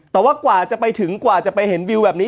แต่ว่ากว่าจะไปถึงกว่าจะไปเห็นวิวแบบนี้